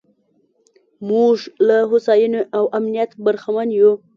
موږ له هوساینې او امنیت برخمن یو.